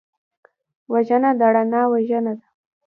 وژنه د رڼا وژنه ده